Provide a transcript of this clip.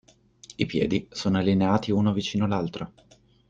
I piedi sono allineati uno vicino all'altro.